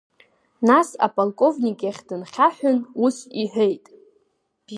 Нас аполковник иахь дынхьаҳәын ус иҳәеит…